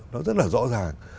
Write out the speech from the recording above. nó rất là rõ ràng